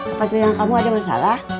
apa itu yang kamu ada masalah